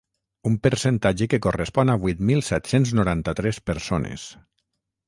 Un percentatge que correspon a vuit mil set-cents noranta-tres persones.